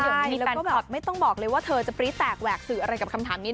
เดี๋ยวนี้แล้วก็แบบไม่ต้องบอกเลยว่าเธอจะปรี๊แตกแหวกสื่ออะไรกับคำถามนี้